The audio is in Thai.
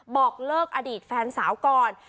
บอกเลิกอดีตแฟนสาวก่อน